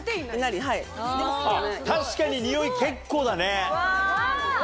確かに匂い結構だね。